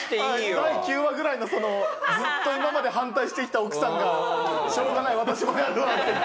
第９話ぐらいのずっと今まで反対してきた奥さんが「しょうがない私もやるわ」って言って。